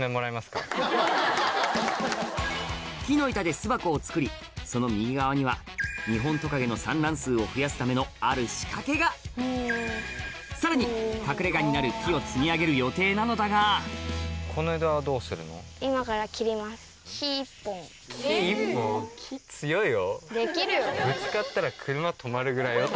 木の板で巣箱を作りその右側にはニホントカゲの産卵数を増やすためのある仕掛けがさらに隠れ家になる木を積み上げる予定なのだができるよ。ぐらいよ。